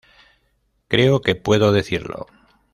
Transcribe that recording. Creo que puedo decirlo.